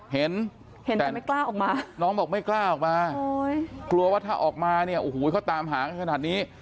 เห็นเห็นแต่ไม่กล้าออกมาน้องบอกไม่กล้าออกมากลัวว่าถ้าออกมาเนี่ยโอ้โหเขาตามหากันขนาดนี้